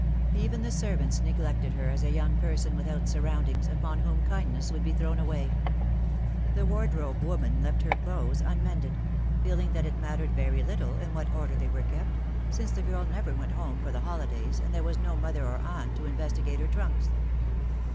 Even the servants neg lected her as a young person without surroundings, upon whom kindness would be thrown away. The wardrobe woman left her clothes unmended, feeling that it mattered very little in what order they were kept, since the girl never went home for th~> holidays, and there was no mother or aunt to investigate het All She could Remember. 29 trunks.